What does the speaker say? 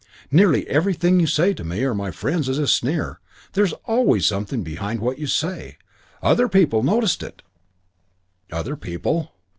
"Nearly everything you say to me or to my friends is a sneer. There's always something behind what you say. Other people notice it " "Other people."